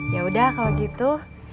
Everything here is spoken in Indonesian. yaudah kalau gitu